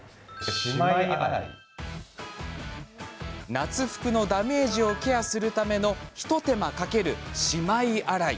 夏服のダメージをケアするための一手間かける、しまい洗い。